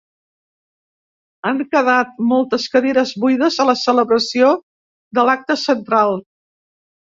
Han quedat moltes cadires buides a la celebració de l'acte central.